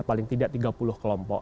sekitar tiga puluh kelompok